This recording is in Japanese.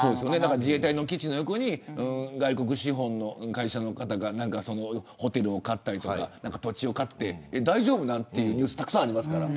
自衛隊の基地の横に外国資本の会社がホテルを買ったりとか土地を買って大丈夫かというニュースたくさん見ますからね。